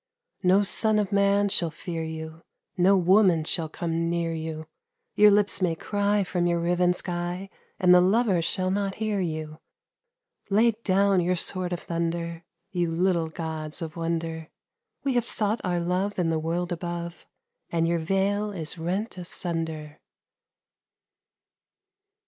No son of man shall fear you, No woman shall come near you, Your lips may cry from your riven sky, And the lovers shall not hear you. Lay down your sword of thunder, You little gods of wonder ! We have sought our love in the world above, And your veil is rent asunder.